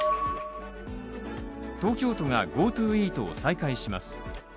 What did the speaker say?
東京都がＧｏＴｏイートを再開します。